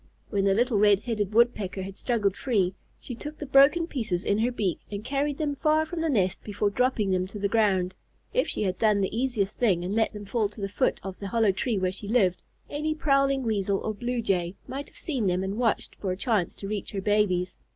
When the little Red headed Woodpecker had struggled free, she took the broken pieces in her beak and carried them far from the nest before dropping them to the ground. If she had done the easiest thing and let them fall by the foot of the hollow tree where she lived, any prowling Weasel or Blue Jay might have seen them and watched for a chance to reach her babies.